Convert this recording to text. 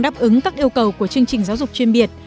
đáp ứng các yêu cầu của chương trình giáo dục chuyên biệt